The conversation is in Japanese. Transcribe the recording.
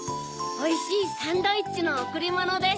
おいしいサンドイッチのおくりものです。